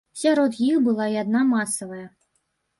Сярод іх была і адна масавая.